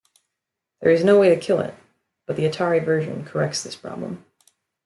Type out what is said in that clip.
There is no way to kill it, but the Atari version corrects this problem.